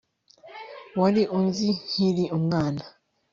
Wari unzi nkiri umwana